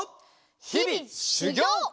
ひびしゅぎょう！